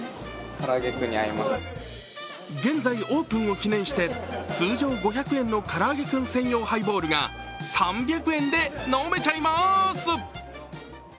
現在オープンを記念して通常５００円のからあげクン専用ハイボールが３００円で飲めちゃいます！